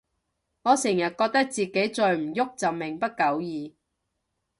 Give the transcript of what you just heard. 我成日覺得自己再唔郁就命不久矣